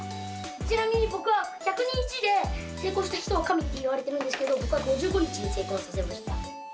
ちなみに僕は、１００日で成功した人は神っていわれてるんですけど、僕は５５日で成功させました。